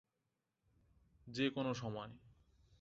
যে কোন সময়।